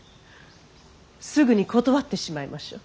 すぐに断ってしまいましょう。